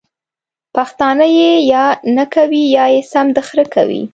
پښتانه ېې یا نکوي یا يې سم د خره کوي!